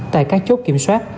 tại các chốt kiểm soát